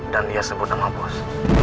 dan dia sebut nama bos